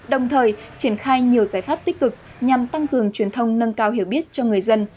đồng thời triển khai nhiều giải pháp tích cực nhằm tăng cường truyền thông nâng cao hiểu biết cho người dân